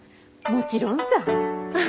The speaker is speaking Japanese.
もちろんさ。